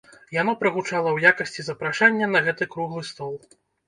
Яно прагучала ў якасці запрашэння на гэты круглы стол.